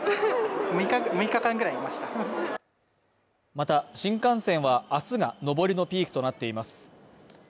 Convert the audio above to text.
また、新幹線は明日が上りのピークとなっています。